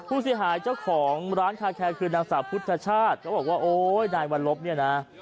ผู้เสียหายเจ้าของร้านคาแคร์คือนางสาวพุทธชาติเขาบอกว่าโอ๊ยนายวันลบเนี่ยนะ